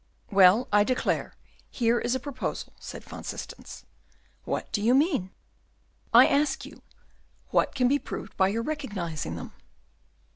"Well, I declare, here is a proposal," said Van Systens. "What do you mean?" "I ask you what can be proved by your recognising them?"